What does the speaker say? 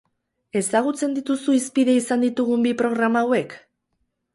Ezagutzen dituzu hizpide izan ditugun bi programa hauek?